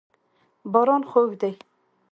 باران خوږ دی.